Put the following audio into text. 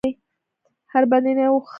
هر بدن یو وخت خاورو ته ورګرځي.